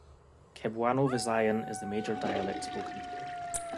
Cebuano-Visayan is the major dialect spoken.